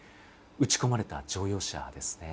撃ち込まれた乗用車ですね。